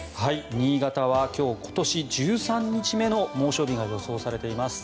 新潟は今日今年１３日目の猛暑日が予想されています。